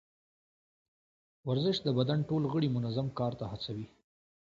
ورزش د بدن ټول غړي منظم کار ته هڅوي.